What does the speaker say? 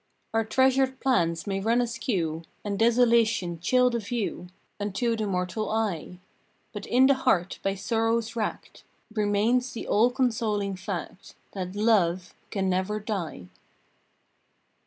Our treasured plans may run askew, And desolation chill the view, Unto the mortal eye, But in the heart by sorrows wracked Remains the all consoling fact That LOVE can never die!